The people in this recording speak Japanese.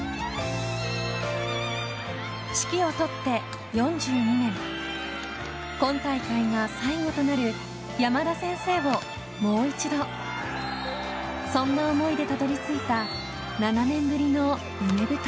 指揮を執って４２年今大会が最後となる山田先生をもう一度そんな思いでたどり着いた７年ぶりの夢舞台。